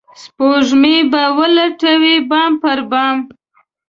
سپوږمۍ به ولټوي بام پر بام